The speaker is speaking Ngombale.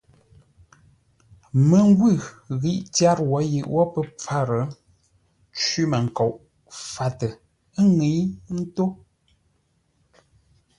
Məngwʉ̂ ghî tyár wǒ yʉʼ wó pə́ pfár, cwímənkoʼ fâtə ńŋə́i ńtó.